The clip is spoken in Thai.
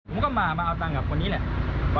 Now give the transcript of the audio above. ผมก็มาเอาตังค์กับคนนี้แหละ